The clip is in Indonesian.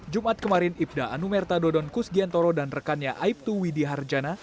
jumat kemarin ibda nomerta dodon kusgiantoro dan rekannya aibtu widiharjana